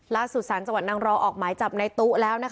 สารจังหวัดนางรอออกหมายจับในตู้แล้ว